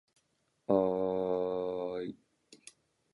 ああああああああああああああああい